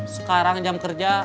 sekarang jam kerja